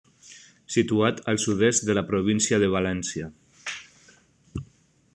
Situat al sud-est de la província de València.